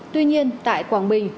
tuy nhiên tại quảng bình